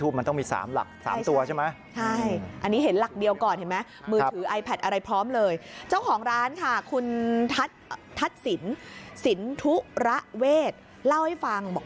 เพราะจริงเลขในทูปมันต้องมีสามหลักสามตัวใช่ไหม